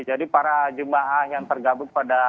jadi para jemaah yang tergabung pada